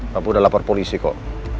kamu udah lapor polisi kok